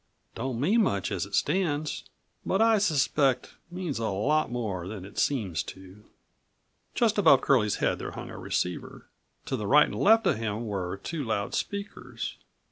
Don't mean much as it stands, but I suspect means a lot more than it seems to." Just above Curlie's head there hung a receiver. To the right and left of him were two loud speakers.